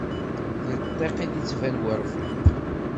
Deg ṭṭiq id yeţban werfiq.